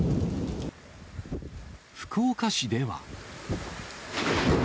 福岡市では。